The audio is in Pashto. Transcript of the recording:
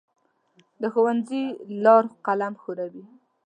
د ښوونځي لار قلم ښووي.